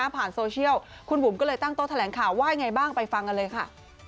โซเชียลคุณบุ๋มก็เลยตั้งโต๊ะแถลงข่าวว่ายังไงบ้างไปฟังกันเลยค่ะ